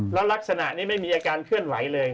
แล้วลักษณะนี้ไม่มีอาการเคลื่อนไหวเลย